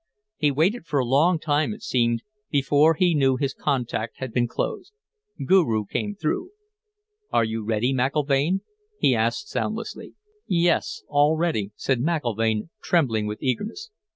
He waited for a long time, it seemed, before he knew his contact had been closed. Guru came through. "Are you ready, McIlvaine?" he asked soundlessly. "Yes. All ready," said McIlvaine, trembling with eagerness.